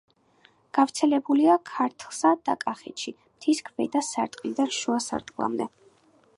გავრცელებულია ქართლსა და კახეთში, მთის ქვედა სარტყლიდან შუა სარტყლამდე.